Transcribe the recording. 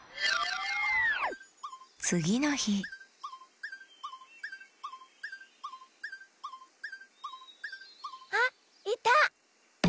つぎのひあっいた！